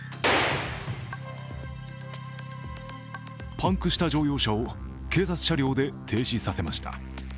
パンクした乗用車を警察車両で停止させました。